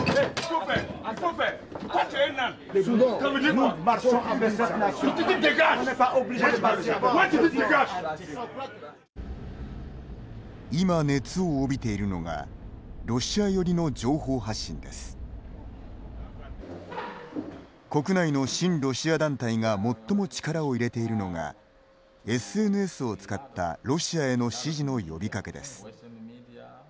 国内の親ロシア団体が最も力を入れているのがＳＮＳを使ったロシアへの支持の呼びかけです。